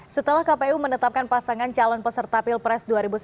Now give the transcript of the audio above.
setelah kpu menetapkan pasangan calon peserta pilpres dua ribu sembilan belas